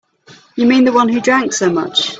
You mean the one who drank so much?